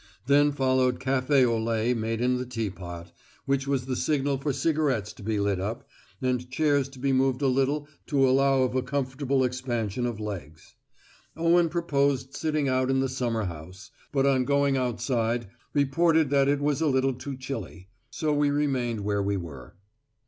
Then followed café au lait made in the teapot, which was the signal for cigarettes to be lit up, and chairs to be moved a little to allow of a comfortable expansion of legs. Owen proposed sitting out in the summer house, but on going outside reported that it was a little too chilly. So we remained where we were.